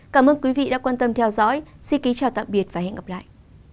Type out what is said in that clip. cảm ơn quý vị đã quan tâm theo dõi xin kính chào tạm biệt và hẹn gặp lại